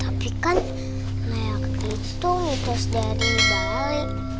tapi kan lehak itu mitos dari bali